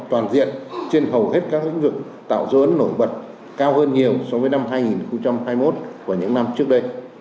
toàn diện trên hầu hết các lĩnh vực tạo dấu ấn nổi bật cao hơn nhiều so với năm hai nghìn hai mươi một của những năm trước đây